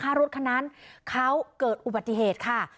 ถ้ารถคันนั้นเขาเกิดอุบัติเหตุค่ะ